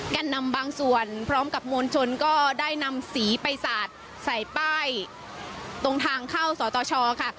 แก่นนำบางส่วนพร้อมกับมวลชนก็ได้นำสีไปสาดใส่ป้ายตรงทางเข้าสตชค่ะ